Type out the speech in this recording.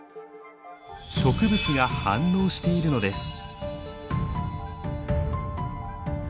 植物が反応しているのです。